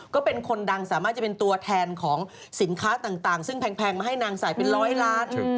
ก็เป็นคนดังสามารถจะเป็นตัวแทนของสินค้าต่างซึ่งแพงมาให้นางใส่เป็นร้อยล้าน